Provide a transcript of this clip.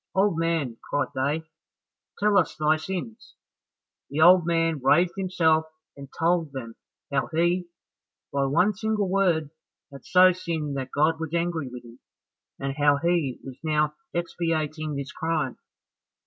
"Old man," cried they, "tell us thy sins." The old man raised himself and told them how he, by one single word, had so sinned that God was angry with him, and how he was now expiating this crime.